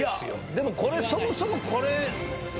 でもこれそもそもこれ。